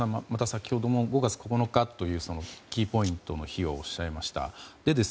先ほども５月９日というキーポイントの日をおっしゃいました。